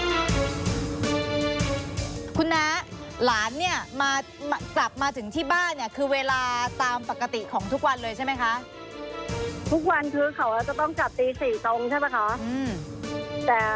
คุณน้าหลานเนี่ยมาจับมาถึงที่บ้านเนี่ยคือเวลาตามปกติของทุกวันเลยใช่ไหมคะทุกวันคือเขาจะต้องจับตี๔ตรงใช่ป่ะคะ